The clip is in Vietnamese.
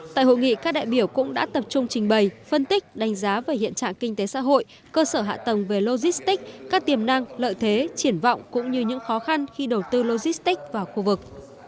tại hội nghị các đại biểu cũng đã tập trung trình bày phân tích đánh giá về hiện trạng kinh tế xã hội cơ sở hạ tầng về logistics các tiềm năng lợi thế triển vọng cũng như những khó khăn khi đầu tư logistics vào khu vực